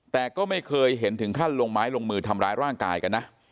แต่ก็ไม่เคยเห็นถึงขั้นลงไม้ลงมือทำร้ายร่างกายกันนะ